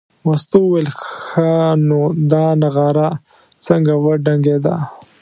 مستو وویل ښه نو دا نغاره څنګه وډنګېده.